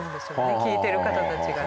聴いてる方たちがね。